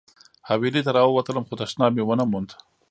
حویلۍ ته راووتلم خو تشناب مې ونه موند.